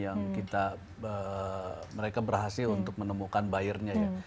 yang kita mereka berhasil untuk menemukan buyernya ya